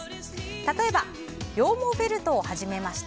例えば羊毛フェルトを始めました。